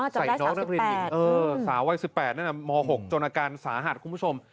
ใส่น้องนักเรียนหญิงสาววัย๑๘นั่นม๖จนอาการสาหัสคุณผู้ชม